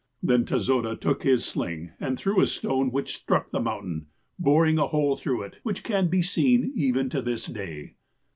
Then Tezoda took his sling, and threw a stone, which struck the moun tain, boring a hole through it, which can be seen even to this day.